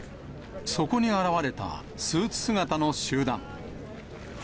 そこに現れたスーツ姿の集団。